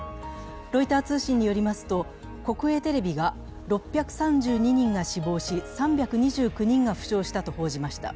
ロイター通信によりますと国営テレビが６３２人が死亡し、３２９人が負傷したと報じました。